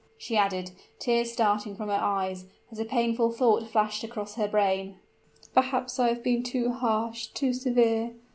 she added, tears starting from her eyes, as a painful thought flashed across her brain, "perhaps I have been too harsh too severe!